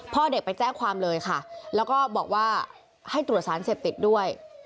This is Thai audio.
พ่อเด็กไปแจ้งความเลยค่ะแล้วก็บอกว่าให้ตรวจสารเสพติดด้วย